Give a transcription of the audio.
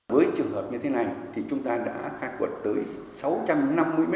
với trường hợp như thế này thì chúng ta đã khai quật tới sáu trăm năm mươi m hai